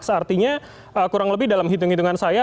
seartinya kurang lebih dalam hitung hitungan saya